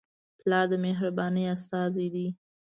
پلار د مهربانۍ استازی دی.